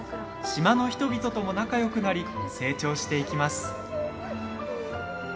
島の人々とも仲よくなり成長していきます。